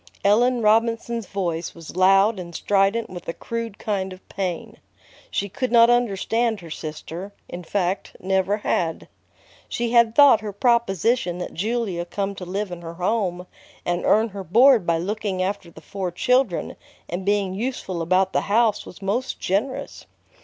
Ellen Robinson's voice was loud and strident with a crude kind of pain. She could not understand her sister, in fact, never had. She had thought her proposition that Julia come to live in her home and earn her board by looking after the four children and being useful about the house was most generous.